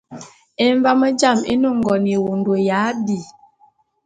Emvám jām é ne ngon ewondo ya abi.